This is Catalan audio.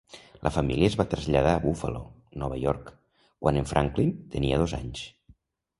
La família es va traslladar a Buffalo (Nova York) quan en Franklin tenia dos anys.